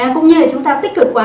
cũng như là chúng ta tích cực quá